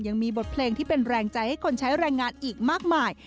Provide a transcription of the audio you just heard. ยังมีบทเพลงที่เป็นแรงใจให้คนใช้แรงงานอีกมากมาย